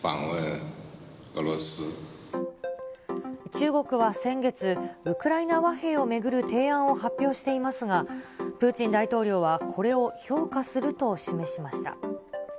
中国は先月、ウクライナ和平を巡る提案を発表していますが、プーチン大統領はこれを評価すると示しました。